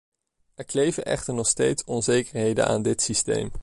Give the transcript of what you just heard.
Er kleven echter nog steeds onzekerheden aan dit systeem.